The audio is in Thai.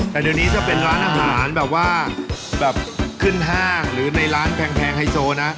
แต่เดี๋ยวนี้ถ้าเป็นร้านอาหารแบบว่าแบบขึ้นห้างหรือในร้านแพงไฮโซนะ